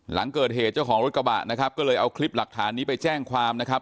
หลังเกิดเหตุเจ้าของรถกระบะนะครับก็เลยเอาคลิปหลักฐานนี้ไปแจ้งความนะครับ